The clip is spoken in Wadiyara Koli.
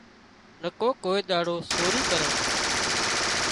نڪو ڪوئي ۮاڙو سورِي ڪران